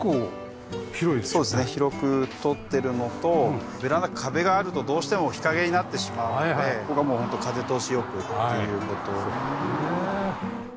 広く取ってるのとベランダ壁があるとどうしても日陰になってしまうのでここはもうホント風通し良くっていう事で。